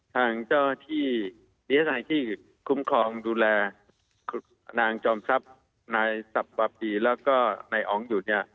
ทางเจ้าที่คุ้มครองดูแลนางจอมทรัพย์นายสับว่าปีและก็นายอ๋องอยู่นี่